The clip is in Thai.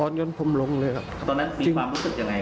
ยนต์ผมลงเลยครับตอนนั้นมีความรู้สึกยังไง